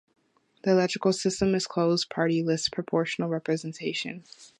The electoral system is closed party list proportional representation.